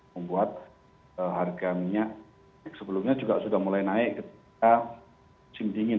membuat harga minyak sebelumnya juga sudah mulai naik ketika musim dingin